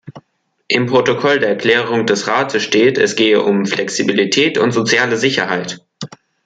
Im Protokoll der Erklärung des Rates steht, es gehe um Flexibilität und soziale Sicherheit.